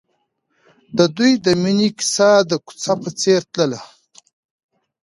د دوی د مینې کیسه د کوڅه په څېر تلله.